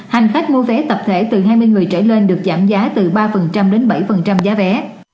hành khách mua vé tập thể từ hai mươi người trở lên được giảm giá từ ba đến bảy giá vé